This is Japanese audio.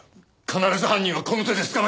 必ず犯人はこの手で捕まえます！